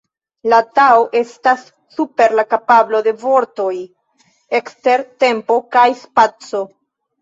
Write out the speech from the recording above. La Tao estas super la kapablo de vortoj, ekster tempo kaj spaco.